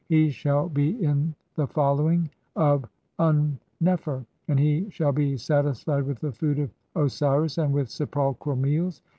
HE SHALL BE IN THE FOLLOWING OF DN NEFER, AND HE SHALL BE SATISFIED WITH THE FOOD OF OSIRIS AND WITH SEPULCHRAL MEALS.